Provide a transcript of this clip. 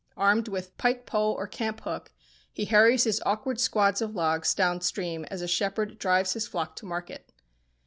Armed with pike pole or camp hook, he hurries his awkward squads of logs down stream as a shepherd drives his flock to market.